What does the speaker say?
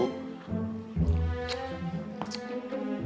oh kenapa tidak